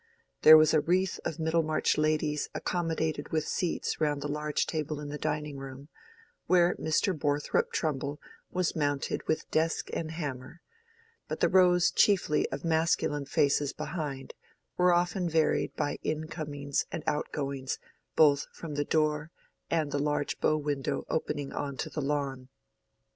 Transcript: There was a wreath of Middlemarch ladies accommodated with seats round the large table in the dining room, where Mr. Borthrop Trumbull was mounted with desk and hammer; but the rows chiefly of masculine faces behind were often varied by incomings and outgoings both from the door and the large bow window opening on to the lawn.